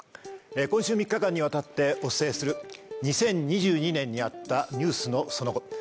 今週３日間にわたってお伝えする２０２２年にあったニュースのその後。